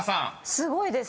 すごいです。